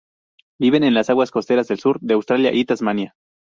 Vive en las aguas costeras del sur de Australia y Tasmania.